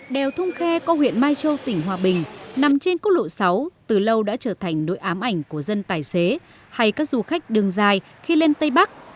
đèo thung khe có huyện mai châu tỉnh hòa bình nằm trên cốt lộ sáu từ lâu đã trở thành nỗi ám ảnh của dân tài xế hay các du khách đường dài khi lên tây bắc